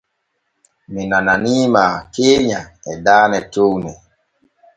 Mi nananiima keenya e daane towne.